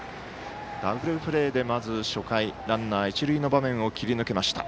ダブルプレーでまず初回ランナー、一塁の場面を切り抜けました。